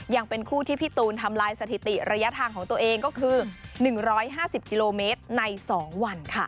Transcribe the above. ยังเป็นคู่ที่พี่ตูนทำลายสถิติระยะทางของตัวเองก็คือ๑๕๐กิโลเมตรใน๒วันค่ะ